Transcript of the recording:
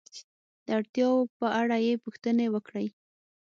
د اړتیاو په اړه یې پوښتنې وکړئ.